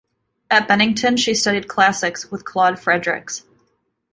At Bennington she studied classics with Claude Fredericks.